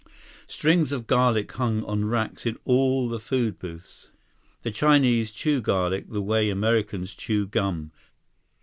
Strings of garlic hung on racks in all the food booths. The Chinese chew garlic the way Americans chew gum.